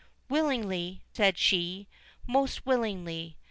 "Willingly," she said, "most willingly.